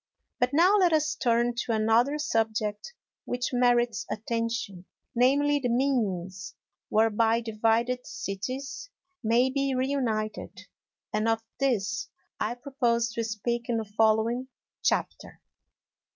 But now let us turn to another subject which merits attention, namely, the means whereby divided cities may be reunited; and of this I propose to speak in the following Chapter.